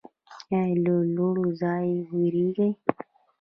ایا له لوړ ځای ویریږئ؟